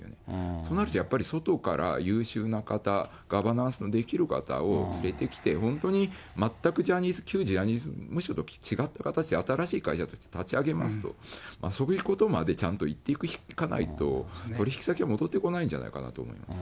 そうなるとやっぱり外から優秀な方、ガバナンスのできる方を連れてきて、本当に全くジャニーズ、旧ジャニーズ、むしろ違った形で、新しい会社を立ち上げますと、そういうことまでちゃんと言っていかないと、取り引き先は戻ってこないんじゃないかなと思います。